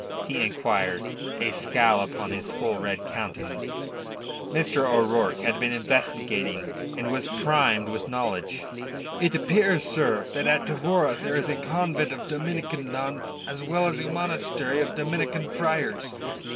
he inquired, a scowl upon his full red countenance. Mr. O'Rourke had been investigating and was primed with knowledge. "It appears, sir, that at Tavora there is a convent of Dominican nuns as well as a monastery of Dominican friars.